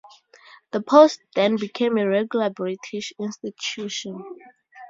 The post then became a regular British institution.